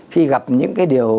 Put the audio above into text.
khi gặp những cái điều